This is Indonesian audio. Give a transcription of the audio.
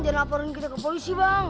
jangan laporin kita ke polisi bang